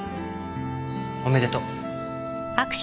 おめでとう。